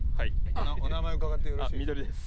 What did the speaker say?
お名前伺ってよろしいですか？